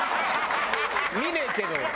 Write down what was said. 見ねえけど。